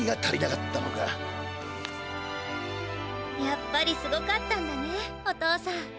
やっぱりすごかったんだねお父さん。